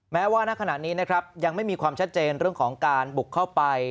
แม้ว่าณขณะนี้นะครับยังไม่มีความชัดเจนเรื่องของการบุกเข้าไป